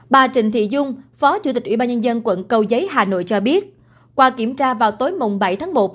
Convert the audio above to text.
bà trịnh thị dung phó chủ tịch ủy ban nhân dân quận cầu giấy hà nội cho biết qua kiểm tra vào tối bảy tháng một